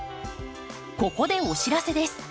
ここでお知らせです。